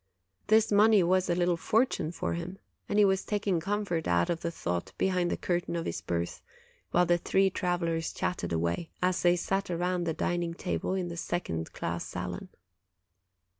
This money was a little fortune for him ; and he was taking comfort out of the thought behind the curtain of his berth, while the three travelers chatted away, as they sat around the dining table in the second class salon.